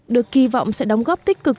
được kỳ vọng sẽ đóng góp tích cực